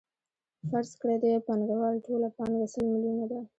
فرض کړئ د یو پانګوال ټوله پانګه سل میلیونه ده